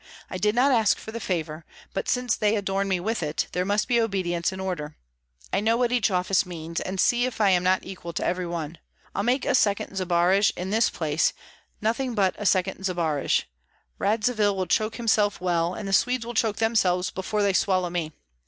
I did not ask for the favor; but since they adorn me with it, there must be obedience and order. I know what each office means, and see if I am not equal to every one. I'll make a second Zbaraj in this place, nothing but a second Zbaraj! Radzivill will choke himself well; and the Swedes will choke themselves before they swallow me.